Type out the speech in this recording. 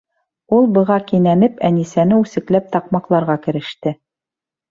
Ул, быға кинәнеп, Әнисәне үсекләп таҡмаҡларға кереште.